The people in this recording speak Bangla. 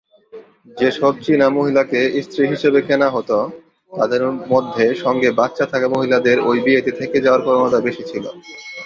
যেসব চিনা মহিলাকে স্ত্রী হিসেবে কেনা হোত, তাদের মধ্যে সঙ্গে বাচ্চা থাকা মহিলাদের ওই বিয়েতে থেকে যাওয়ার প্রবণতা বেশি ছিল।